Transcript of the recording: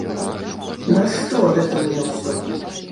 Нашто гэта мне ўсё?